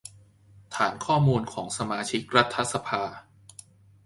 ฐานข้อมูลของสมาชิกรัฐสภา